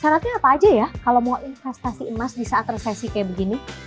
syaratnya apa aja ya kalau mau investasi emas di saat resesi kayak begini